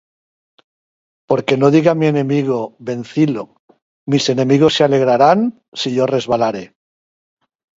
Porque no diga mi enemigo, Vencílo: Mis enemigos se alegrarán, si yo resbalare.